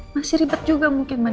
masih ribet juga mungkin mbak